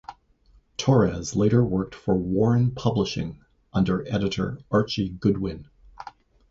Torres later worked for Warren Publishing under editor Archie Goodwin.